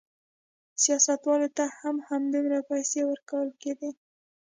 سیاستوالو ته هم همدومره پیسې ورکول کېدې.